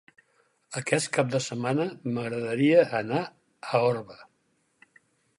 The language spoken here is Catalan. Aquest cap de setmana m'agradaria anar a Orba.